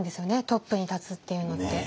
トップに立つっていうのって。